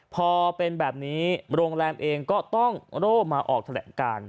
พอเป็นแบบนี้โรงแรมเองก็ต้องโร่มาออกแถลงการ